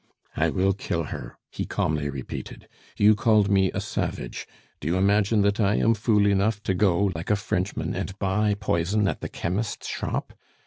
"I will kill her," he calmly repeated. "You called me a savage. Do you imagine that I am fool enough to go, like a Frenchman, and buy poison at the chemist's shop?